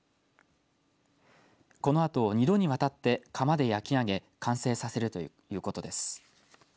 このあと２度にわたって窯で焼き上げ完成させるということです。